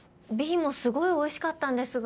Ｂもすごいおいしかったんですが。